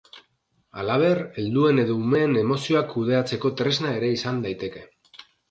Halaber helduen edo umeen emozioak kudeatzeko tresna ere izan daiteke.